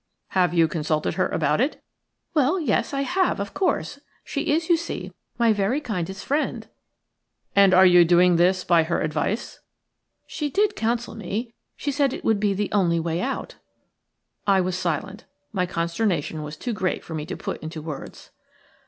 "Have you consulted her about it?" "Well, yes, I have, of course. She is, you see, my very kindest friend." "And you are doing this by her advice?" "She did counsel me. She said it would be the only way out." I was silent. My consternation was too great for me to put into words.